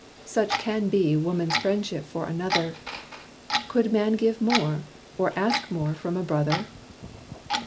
Such can be woman's friendship for another. Could man give more, or ask more from a brother?"